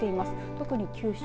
特に九州